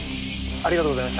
ありがとうございます。